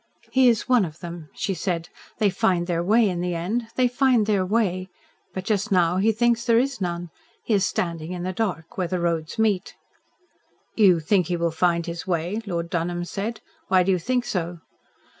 "He is one of them," she said. "They find their way in the end they find their way. But just now he thinks there is none. He is standing in the dark where the roads meet." "You think he will find his way?" Lord Dunholm said. "Why do you think so?"